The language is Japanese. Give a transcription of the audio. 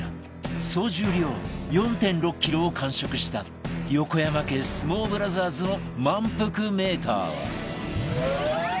総重量 ４．６ キロを完食した横山家相撲ブラザーズのまんぷくメーターは